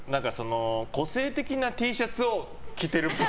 個性的なＴシャツを着てるっぽい。